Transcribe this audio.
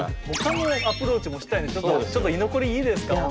ほかのアプローチもしたいねちょっと居残りいいですか？